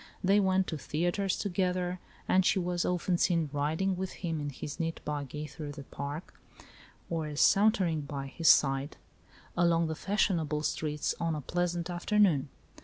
They went to theatres together, and she was often seen riding with him in his neat buggy through the park, or sauntering by his side along V 22 ALICE ; OR, THE WAGES OF SIN. the fashionable streets on a pleasant afternoon.